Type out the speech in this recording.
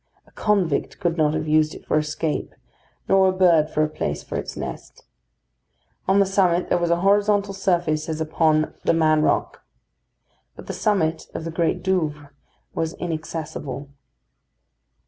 A convict could not have used it for escape, nor a bird for a place for its nest. On the summit there was a horizontal surface as upon "The Man Rock;" but the summit of the Great Douvre was inaccessible.